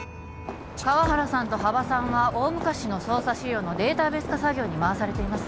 河原さんと幅さんは大昔の捜査資料のデータベース化作業に回されています